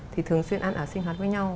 thì thường xuyên ăn ở sinh hoạt với nhau